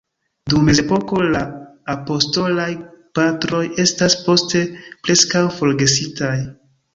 Dum mezepoko la apostolaj Patroj estas poste preskaŭ forgesitaj.